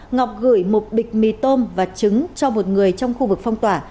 ngọc gửi một bịch mì tôm và trứng cho một người trong khu vực phong tỏa